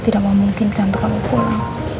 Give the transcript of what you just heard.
tidak memungkinkan untuk kamu pulang